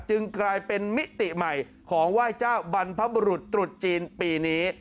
กลายเป็นมิติใหม่ของไหว้เจ้าบรรพบุรุษตรุษจีนปีนี้